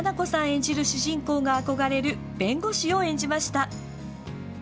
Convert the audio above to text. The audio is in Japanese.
演じる主人公が憧れる弁護士を演じました。